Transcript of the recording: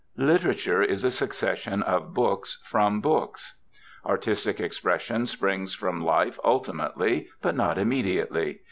Literature is a succession of books from books. Artistic expression springs from life ultimately but not immediately.